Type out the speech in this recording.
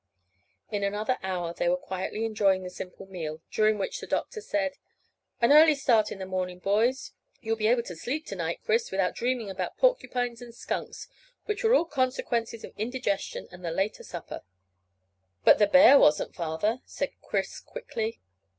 In another hour they were quietly enjoying the simple meal, during which the doctor said "An early start in the morning, boys. You'll be able to sleep to night, Chris, without dreaming about porcupines and skunks, which were all consequences of indigestion and the later supper." "But the bear wasn't, father," said Chris quickly.